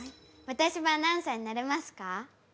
私もアナウンサーになれますか？